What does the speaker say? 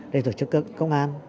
để tổ chức công an